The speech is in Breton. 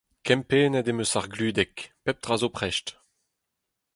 Kempennet em eus ar gludeg, pep tra zo prest.